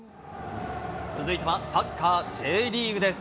続いてはサッカーＪリーグです。